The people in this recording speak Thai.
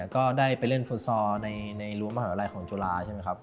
ก็ได้ไปเล่นฟุตซอร์ในรั้วมหาวิทยาลัยของจุฬา